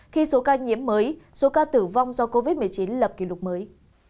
khi số ca nhiễm mới số ca tử vong do covid một mươi chín lập kỷ lục mới